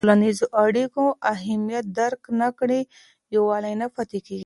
که د ټولنیزو اړیکو اهمیت درک نه کړې، یووالی نه پاتې کېږي.